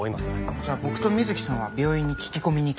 じゃあ僕と水木さんは病院に聞き込みに行きます。